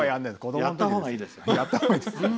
やったほうがいいです。